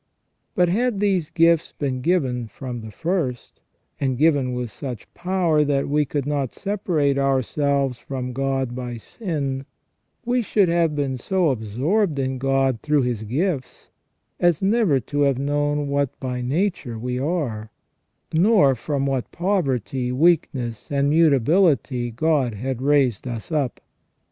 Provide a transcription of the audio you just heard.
But had these gifts been given from the first, and given with such power that we could not separate ourselves from God by sin, we should have been so absorbed in God through His gifts, as never to have known what by nature we are, nor from what poverty weakness, and mutability God had raised us up.